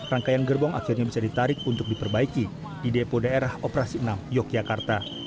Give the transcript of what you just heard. rangkaian gerbong akhirnya bisa ditarik untuk diperbaiki di depo daerah operasi enam yogyakarta